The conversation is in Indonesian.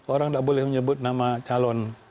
orang tidak boleh menyebut nama calon